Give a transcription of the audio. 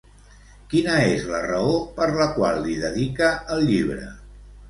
Quina és la raó per la qual li dedica el llibre?